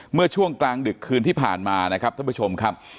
เมื่อช่วงกลางดึกคืนที่ผ่านมานะครับท่านผู้ชมครับ